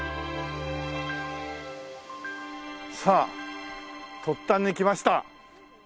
さあ突端に来ました。